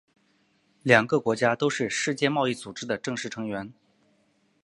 两个国家都是世界贸易组织的正式成员。